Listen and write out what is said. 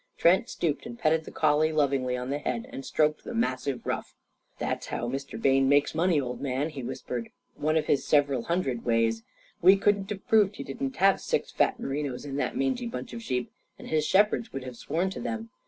Trent stooped and petted the collie lovingly on the head and stroked the massive ruff. "That's how Mr. Bayne makes money, old man," he whispered. "One of his several hundred ways. We couldn't have proved he didn't have six fat merinos in that mangy bunch of sheep. And his shepherds would have sworn to them.